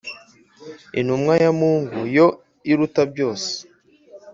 Intumwa ya Mungu yo iruta byose.